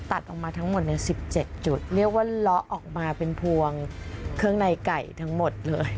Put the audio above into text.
ตัดออกมาทั้งหมดใน๑๗จุดเรียกว่าล้อออกมาเป็นพวงเครื่องในไก่ทั้งหมดเลย